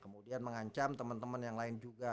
kemudian mengancam teman teman yang lain juga